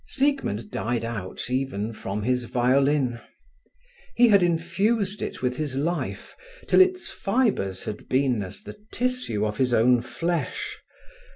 Siegmund died out even from his violin. He had infused it with his life, till its fibres had been as the tissue of his own flesh.